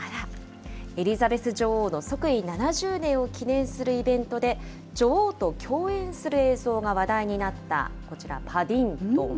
エリザベス女王の即位７０年を記念するイベントで、女王と共演する映像が話題になったこちら、パディントン。